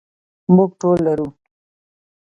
موږ ټول لرو.